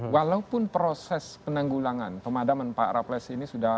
walaupun proses penanggulangan pemadaman pak raples ini sudah